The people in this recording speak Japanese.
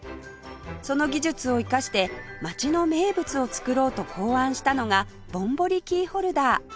その技術を生かして街の名物を作ろうと考案したのがぼんぼりキーホルダー